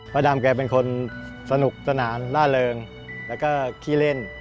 ดำแกเป็นคนสนุกสนานล่าเริงแล้วก็ขี้เล่น